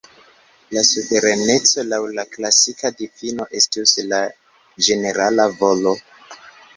La Suvereneco laŭ la klasika difino estus la ĝenerala volo.